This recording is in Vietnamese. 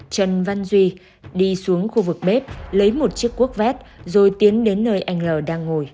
trần văn duy đi xuống khu vực bếp lấy một chiếc quốc vét rồi tiến đến nơi anh l đang ngồi